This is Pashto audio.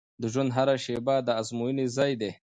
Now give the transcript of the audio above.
د ژوند هره شیبه د ازموینې ځای دی.